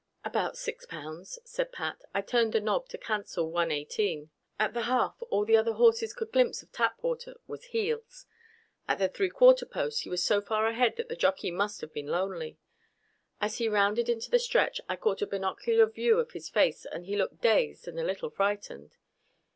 "About six pounds," said Pat. "I turned the knob to cancel one eighteen." At the half, all the other horses could glimpse of Tapwater was heels. At the three quarter post he was so far ahead that the jockey must have been lonely. As he rounded into the stretch I caught a binocular view of his face, and he looked dazed and a little frightened.